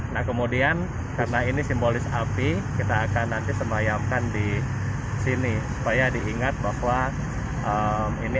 nah kemudian karena ini simbolis api kita akan nanti semayamkan di sini supaya diingat bahwa ini